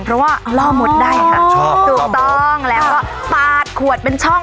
เพราะว่าล่อมดได้ค่ะชอบถูกต้องแล้วก็ปาดขวดเป็นช่อง